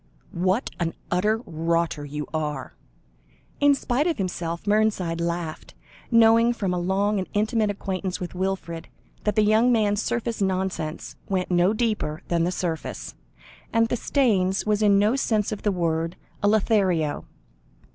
"What an utter rotter you are!" In spite of himself Mernside laughed, knowing from a long and intimate acquaintance with Wilfred, that the young man's surface nonsense went no deeper than the surface, and that Staynes was in no sense of the word a Lothario.